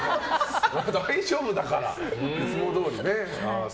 大丈夫だから！いつもどおりね。